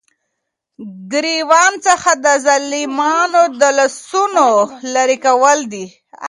ګريوان څخه دظالمانو دلاسونو ليري كول دي ،